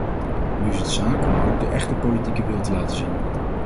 Nu is het zaak om ook de echte politieke wil te laten zien.